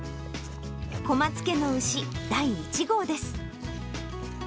小松家の牛、第１号です。